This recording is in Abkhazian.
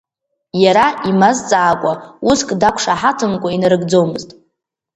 Иара имазҵаакәа, уск дақәшаҳаҭымкәа инарыгӡомызт.